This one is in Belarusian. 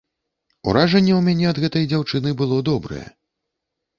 Уражанне ў мяне ад гэтай дзяўчыны было добрае.